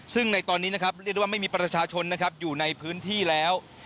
ซึ่งในตอนนี้นะครับไม่มีประชาชนอยู่ในพื้นที่แล้ว